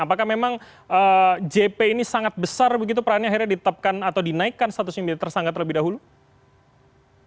apakah memang jp ini sangat besar begitu perannya akhirnya ditetapkan atau dinaikkan statusnya menjadi tersangka terlebih dahulu